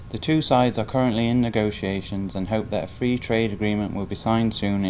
hai bên cũng đang tiếp tục đàm phán và hy vọng sẽ sớm ký kết hiệp định thương mại song phương